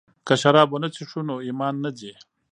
که شراب ونه څښو نو ایمان نه ځي.